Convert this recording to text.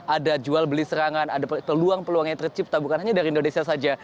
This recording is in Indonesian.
ada jual beli serangan ada peluang peluang yang tercipta bukan hanya dari indonesia saja